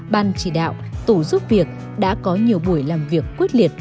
ban chỉ đạo tổ giúp việc đã có nhiều buổi làm việc quyết liệt